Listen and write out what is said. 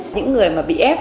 những người mà bị ép